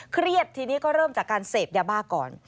เครียดทีนี้ก็เริ่มจากการเสพยาบ้าก่อน